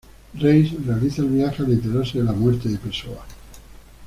Reis realiza el viaje al enterarse de la muerte de Pessoa.